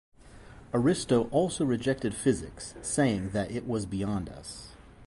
Aristo also rejected Physics, saying that it was beyond us.